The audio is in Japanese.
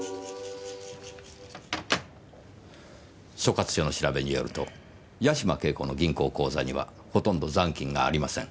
所轄署の調べによると八島景子の銀行口座にはほとんど残金がありません。